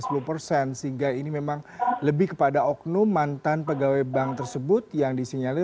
sehingga ini memang lebih kepada oknum mantan pegawai bank tersebut yang disinyalir